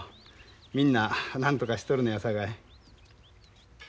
みんななんとかしとるのやさかい。